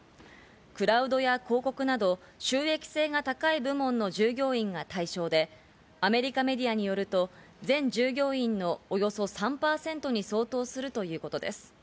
クラウドや広告など、収益性が高い部門の従業員が対象で、アメリカメディアによると全従業員のおよそ３％に相当するということです。